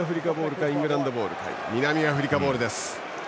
南アフリカボールです。